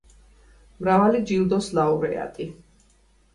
მრავალი ჯილდოს ლაურეატი.